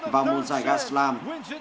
vào môn giải gaslam